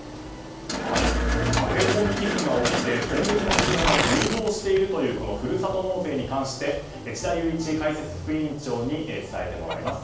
駆け込み寄付が起きて今月の注文が急増しているというふるさと納税に関して智田裕一解説副委員長に伝えてもらいます。